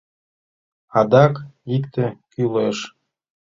Адак икте кӱлеш.